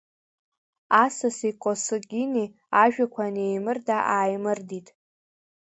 Асаси Косыгини ажәақәа неимырда-ааимырдеит.